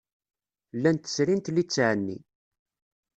Llant srint litteɛ-nni.